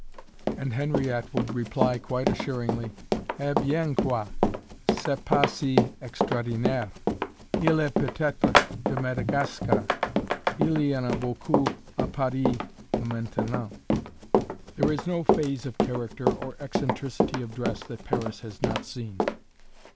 And Henriette would reply quite assuringly: "Eh bien quoi! c'est pas si extraordinaire, il est peut être de Madagascar; il y en a beaucoup à Paris maintenant." There is no phase of character, or eccentricity of dress, that Paris has not seen.